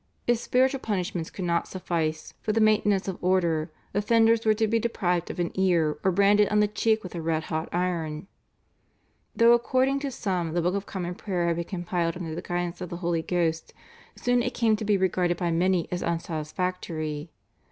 If spiritual punishments could not suffice for the maintenance of order offenders were to be deprived of an ear or branded on the cheek with a red hot iron. Though according to some the Book of Common Prayer had been compiled under the guidance of the Holy Ghost, soon it came to be regarded by many as unsatisfactory.